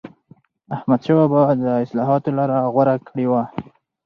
احمدشاه بابا د اصلاحاتو لاره غوره کړې وه.